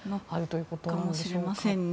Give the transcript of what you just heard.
そうかもしれませんね。